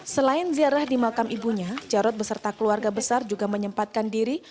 selain ziarah di makam ibunya jarod beserta keluarga besar juga menyempatkan diri